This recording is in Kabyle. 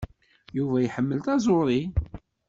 Yuba iḥemmel taẓuri.